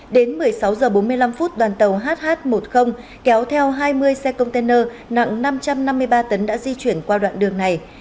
đến một mươi sáu h bốn mươi năm đoàn tàu hh một mươi kéo theo hai mươi xe container nặng năm trăm năm mươi ba tấn đã di chuyển qua đoạn đường này